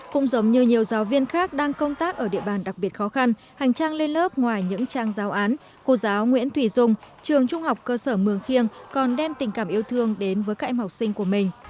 cũng giống như nhiều giáo viên khác đang công tác ở địa bàn đặc biệt khó khăn hành trang lên lớp ngoài những trang giáo án cô giáo nguyễn thủy dung trường trung học cơ sở mường khiêng còn đem tình cảm yêu thương đến với các em học sinh của mình